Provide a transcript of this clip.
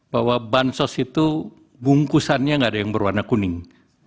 bahwa bansos itu bungkusannya nggak ada yang berwarna kuning